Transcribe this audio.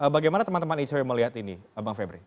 bagaimana teman teman icw melihat ini bang febri